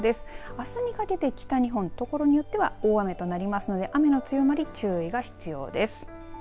あすにかけて北日本、ところによっては大雨となりますので雨の強まり、注意が必要です。